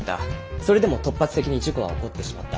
それでも突発的に事故は起こってしまった。